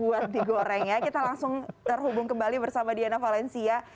buat digoreng ya kita langsung terhubung kembali bersama diana valencia